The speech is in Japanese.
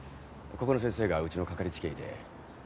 ここの先生がうちのかかりつけ医で。